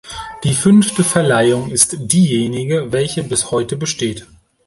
Die fünfte Verleihung ist diejenige, welche bis heute besteht.